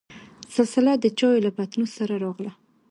سلسله دچايو له پتنوس سره راغله.